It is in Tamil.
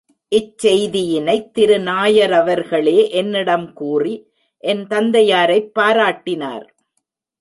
இச்செய்தியினைத் திரு நாயரவர்களே என்னிடம் கூறி, என் தந்தையாரைப் பாராட்டினார்.